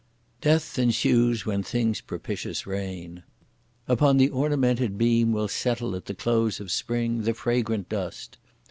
Death ensues when things propitious reign! Upon the ornamented beam will settle at the close of spring the fragrant dust!